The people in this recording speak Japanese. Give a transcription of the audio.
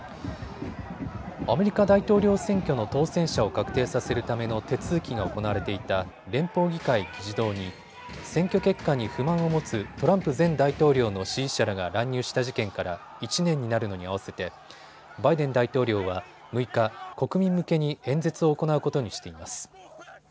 アメリカ大統領選挙の当選者を確定させるための手続きが行われていた連邦議会議事堂に選挙結果に不満を持つトランプ前大統領の支持者らが乱入した事件から１年になるのに合わせてバイデン大統領は６日、国民向けに演説を行うことにしています。